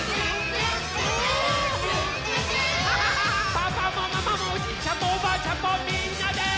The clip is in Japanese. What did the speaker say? パパもママもおじいちゃんもおばあちゃんもみんなで！